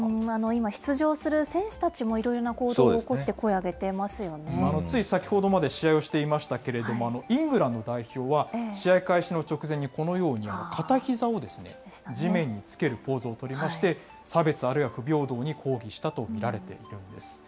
今、出場する選手たちもいろいろな行動を起こして声上げてまつい先ほどまで試合をしていましたけれども、イングランド代表は試合開始の直前にこのように、片ひざをですね、地面につけるポーズを取りまして、差別、あるいは不平等に抗議したと見られているんです。